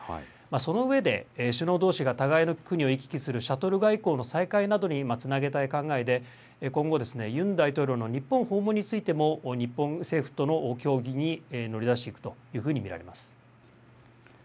その上で、首脳どうしが互いの国を行き来するシャトル外交の再開などにつなげたい考えで、今後、ユン大統領の日本訪問についても、日本政府との協議に乗り出していくというふうに見られます。